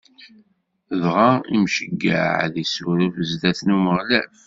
Dɣa Imceyyeɛ ad s-issuref zdat n Umeɣlal.